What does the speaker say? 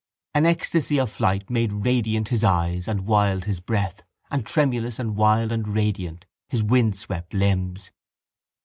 An ecstasy of flight made radiant his eyes and wild his breath and tremulous and wild and radiant his windswept limbs.